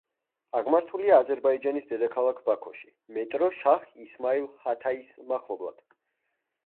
აღმართულია აზერბაიჯანის დედაქალაქ ბაქოში, მეტრო „შაჰ ისმაილ ჰათაის“ მახლობლად.